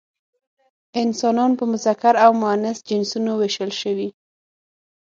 انسانان په مذکر او مؤنث جنسونو ویشل شوي.